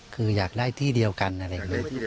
คืออยากได้ที่เดียวกันอะไรอย่างนี้